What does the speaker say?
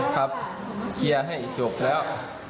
ครับเคลียร์ให้จบแล้ว